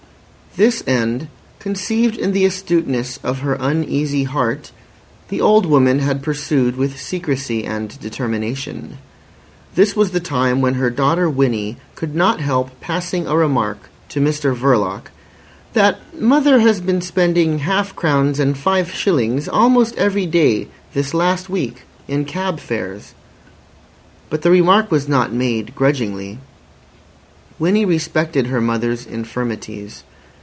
This end, conceived in the astuteness of her uneasy heart, the old woman had pursued with secrecy and determination. That was the time when her daughter Winnie could not help passing a remark to Mr Verloc that "mother has been spending half crowns and five shillings almost every day this last week in cab fares." But the remark was not made grudgingly. Winnie respected her mother's infirmities.